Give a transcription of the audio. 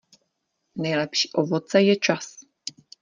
Nejlepší ovoce je čas.